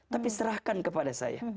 tapi serahkan kepada saya